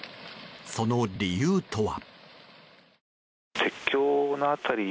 その理由とは。